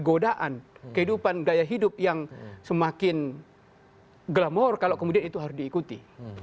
godaan kehidupan gaya hidup yang semakin glamor kalau kemudian itu harus diikuti